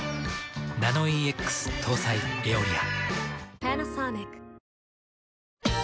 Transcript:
ナノイーＸ搭載「エオリア」。